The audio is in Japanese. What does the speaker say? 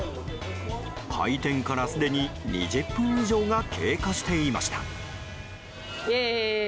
開店からすでに２０分以上が経過していました。